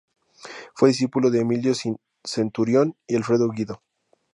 Fue discípulo de Emilio Centurión y Alfredo Guido.